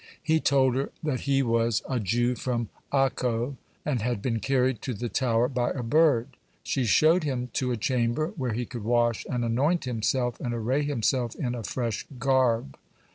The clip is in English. He told her that he was a Jew from Accho, and had been carried to the tower by a bird. She showed him to a chamber, where he could wash and anoint himself, and array himself in a fresh garb.